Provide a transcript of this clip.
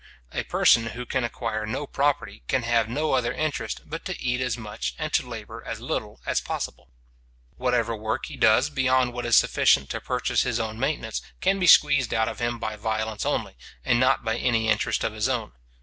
A person who can acquire no property can have no other interest but to eat as much and to labour as little as possible. Whatever work he does beyond what is sufficient to purchase his own maintenance, can be squeezed out of him by violence only, and not by any interest of his own.